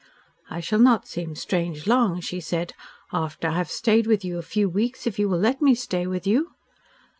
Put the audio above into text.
"I shall not seem strange long," she said, "after I have stayed with you a few weeks, if you will let me stay with you."